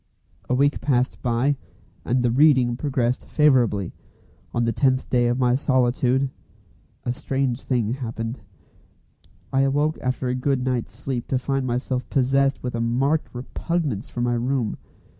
A week passed by, and the "reading" progressed favourably. On the tenth day of my solitude, a strange thing happened. I awoke after a good night's sleep to find myself possessed with a marked repugnance for my room.